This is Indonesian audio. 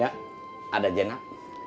ya ada jenak